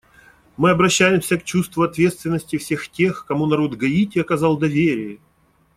Мы обращаемся к чувству ответственности всех тех, кому народ Гаити оказал доверие.